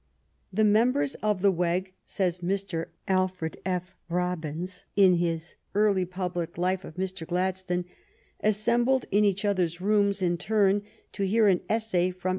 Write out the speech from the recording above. " The members of the Weg," says Mr. Alfred F. Robbins in his " Early Public Life of Mr. Gladstone," " assembled in each other's rooms ^C^ i in turn to hear an essay from